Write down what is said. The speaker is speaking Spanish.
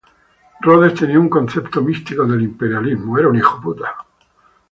Rhodes tenía un concepto místico del imperialismo.